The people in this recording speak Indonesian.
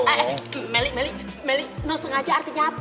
eh eh nelly nelly nelly enggak sengaja artinya apa